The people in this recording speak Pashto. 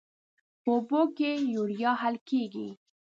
په اوبو کې د یوریا حل کیږي.